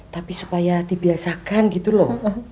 tapi supaya dibiasakan gitu loh